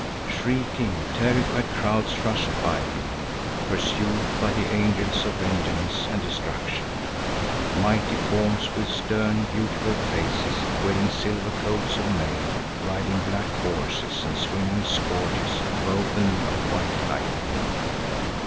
Shrieking, terrified crowds rushed by him, pursued by the angels of vengeance and destruction, mighty forms with stern, beautiful faces, wearing silver coats of mail, riding black horses and swinging scourges, woven of white lightning.